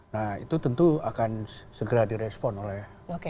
nah itu tentu akan segera direspon oleh